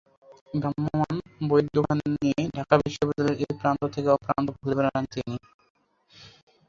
ভ্রাম্যমাণ বইয়ের দোকান নিয়ে ঢাকা বিশ্ববিদ্যালয়ের এপ্রান্ত থেকে ওপ্রান্ত ঘুরে বেড়ান তিনি।